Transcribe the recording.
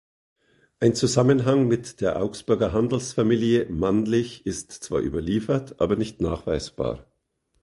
Ein Zusammenhang mit der Augsburger Handelsfamilie Mannlich ist zwar überliefert, aber nicht nachweisbar.